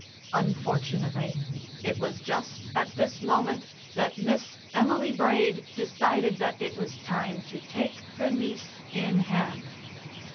Unfortunately it was just at this moment that Miss Emily Braid decided that it was time to take her niece in hand.